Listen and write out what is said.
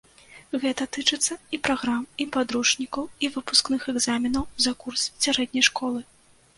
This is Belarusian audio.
Гэта тычыцца і праграм, і падручнікаў, і выпускных экзаменаў за курс сярэдняй школы.